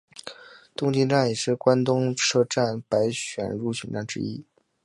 东京站也是关东车站百选入选站之一。